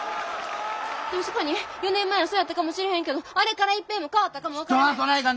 確かに４年前はそやったかもしれへんけどあれから一平も変わったかも分かれへん。